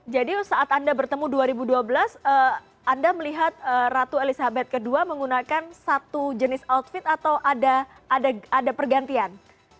jadi saat anda bertemu dua ribu dua belas anda melihat ratu elizabeth ii menggunakan satu jenis outfit atau ada pergantian